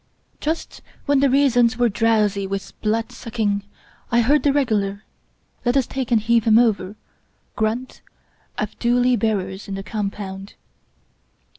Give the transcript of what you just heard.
Just when the reasons were drowsy with blood sucking I heard the regular —" Let us take and heave him over " grunt of doolie bearers in the compound.